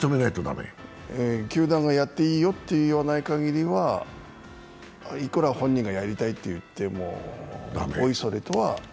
球団がやっていいよと言わないかぎりはいくら本人がやりたいと言っても、おいそれとは。